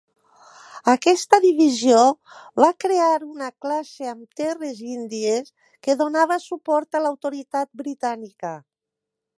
Aquesta divisió va crear una classe amb terres índies que donava suport a l'autoritat britànica.